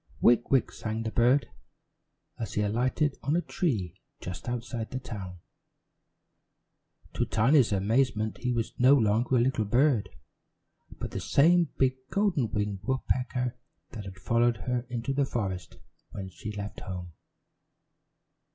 "Wick wick!" sang the bird, as he alighted on a tree just outside the town. To Tiny's amazement, he was no longer a little bird, but the same big golden winged woodpecker that she had followed into the forest when she left home.